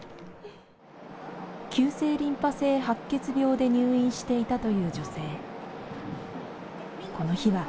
急性リンパ性白血病で入院していたという女性。